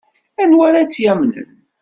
Anwa ara tt-yamnen?